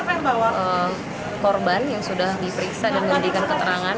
total ada tujuh korban yang sudah diperiksa dan memberikan keterangan